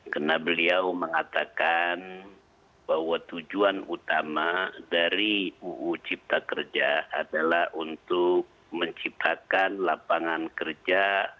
karena beliau mengatakan bahwa tujuan utama dari ruu cipta kerja adalah untuk menciptakan lapangan kerja